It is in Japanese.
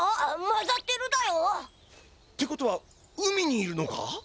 まざってるだよ。ってことは海にいるのか？